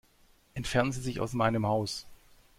Entfernen Sie sich aus meinem Haus.